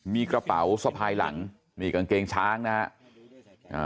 มีกระเป๋าสะพายหลังนี่กางเกงช้างนะฮะ